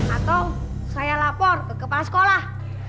atau saya lapor ke kepala sekolah